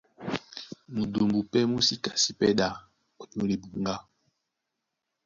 Mudumbu pɛ́ mú sí kasi pɛ́ ɗá ónyólá ebuŋgá.